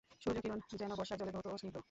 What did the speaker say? সূর্যকিরণ যেন বর্ষার জলে ধৌত ও স্নিগ্ধ।